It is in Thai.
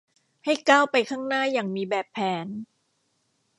ให้ก้าวไปข้างหน้าอย่างมีแบบแผน